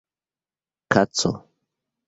Kaco.